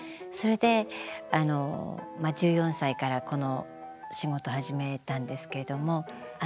それで１４歳からこの仕事始めたんですけれども。